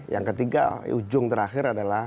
yang ketiga ujung terakhir adalah